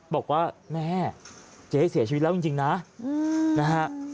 บอกว่าแม่เจ๊เสียชีวิตแล้วจริงนะนะฮะ